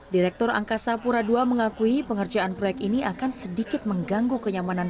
direktur angkasa pura ii mengakui pengerjaan proyek ini akan sedikit mengganggu kenyamanan